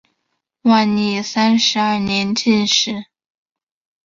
万历三十二年进士。